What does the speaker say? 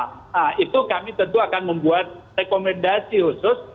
nah itu kami tentu akan membuat rekomendasi khusus